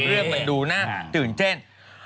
เรื่องดูหน้าตื่นเจน